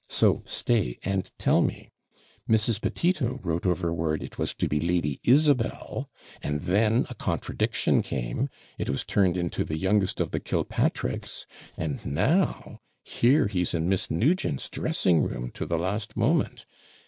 So stay, and tell me Mrs. Petito wrote over word it was to be Lady Isabel; and then a contradiction came it was turned into the youngest of the Killpatricks; and now here he's in Miss Nugent's dressing room to the last moment.